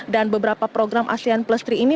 dan beberapa program asean plus tiga ini